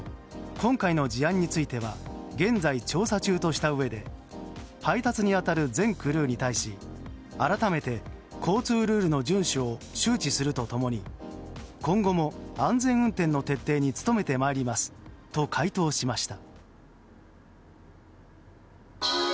今回の事案については現在調査中としたうえで配達に当たる全クルーに対し改めて交通ルールの順守を周知すると共に今後も安全運転の徹底に努めてまいりますと回答しました。